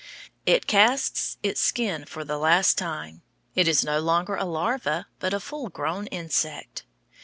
It casts its skin for the last time; it is no longer a larva, but a full grown insect.